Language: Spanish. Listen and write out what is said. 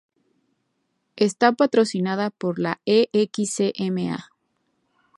Está patrocinada por la Excma.